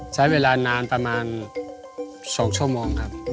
ใช้เวลานานประมาณ๒ชั่วโมงครับ